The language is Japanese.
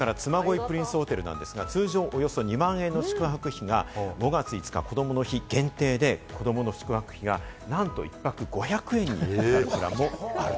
それから嬬恋プリンスホテルは、通常２万円の宿泊費が、５月５日こどもの日限定で子供の宿泊費がなんと１泊５００円になるプランもあると。